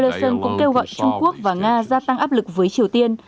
johnson cũng kêu gọi trung quốc và nga gia tăng áp lực với triều tiên